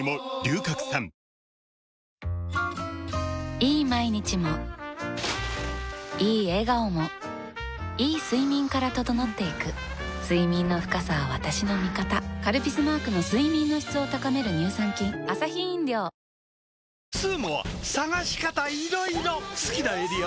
いい毎日もいい笑顔もいい睡眠から整っていく睡眠の深さは私の味方「カルピス」マークの睡眠の質を高める乳酸菌焼きソバもいきます？